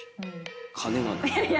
金がない。